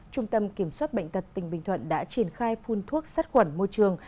trung tâm kiểm soát bệnh tật tỉnh bình thuận đã triển khai phun thuốc sát khuẩn môi trường